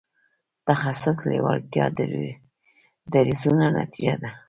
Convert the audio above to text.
تخصص لېوالتیا دریځونو نتیجه ده.